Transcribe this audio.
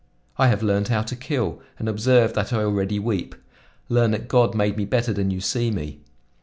I have learned how to kill, and observe that I already weep; learn that God made me better than you see me.'